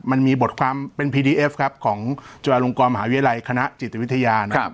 มันมีบทความเป็นพีดีเอฟครับของจุฬาลงกรมหาวิทยาลัยคณะจิตวิทยานะครับ